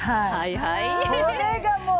はい。